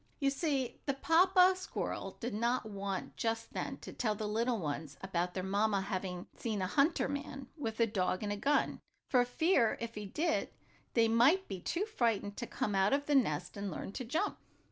You see the papa squirrel did not want just then to tell the little ones about their mamma having seen a hunter man, with a dog and gun, for fear, if he did, they might be too frightened to come out of the nest and learn to jump.